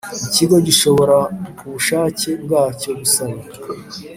Ikigo gishobora ku bushake bwacyo gusaba